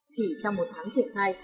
chỉ trong một tháng triển khai